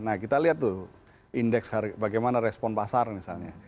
nah kita lihat tuh indeks bagaimana respon pasar misalnya